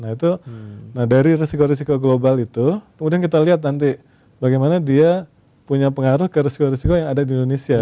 nah itu nah dari risiko risiko global itu kemudian kita lihat nanti bagaimana dia punya pengaruh ke resiko risiko yang ada di indonesia